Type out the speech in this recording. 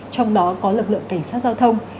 trong đó có lực lượng cảnh sát giao thông